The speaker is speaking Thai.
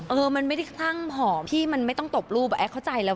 เออมันไม่ได้คลั่งหอมพี่มันไม่ต้องตบรูปอ่ะแอ๊กเข้าใจแล้ว